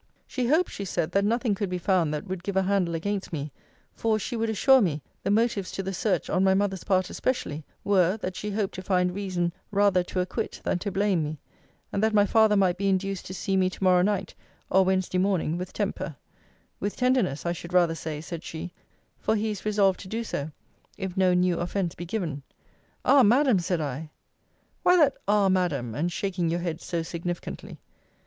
She hoped, she said, that nothing could be found that would give a handle against me: for, she would assure me, the motives to the search, on my mother's part especially, were, that she hoped to find reason rather to acquit than to blame me; and that my father might be induced to see my to morrow night, or Wednesday morning, with temper: with tenderness, I should rather say, said she; for he is resolved to do so, if no new offence be given. Ah! Madam, said I Why that Ah! Madam, and shaking your head so significantly?